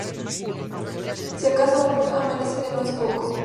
Si acaso, con "'"Amanece que no es poco"".